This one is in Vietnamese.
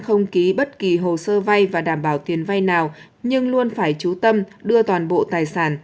không ký bất kỳ hồ sơ vay và đảm bảo tiền vay nào nhưng luôn phải trú tâm đưa toàn bộ tài sản